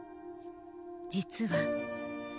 実は。